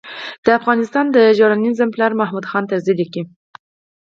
د افغانستان د ژورنالېزم پلار محمود خان طرزي لیکي.